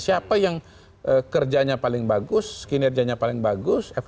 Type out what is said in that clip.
siapa yang kerjanya paling bagus kinerjanya paling bagus